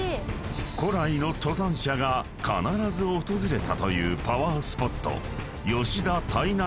［古来の登山者が必ず訪れたというパワースポット］